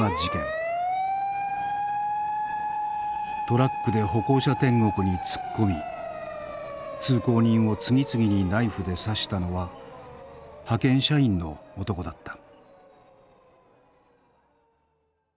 トラックで歩行者天国に突っ込み通行人を次々にナイフで刺したのは派遣社員の男だった。